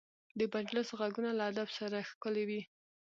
د مجلس غږونه له ادب سره ښکلي وي